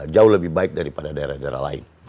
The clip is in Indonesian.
jauh lebih baik daripada daerah daerah lain